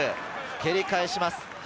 蹴り返します。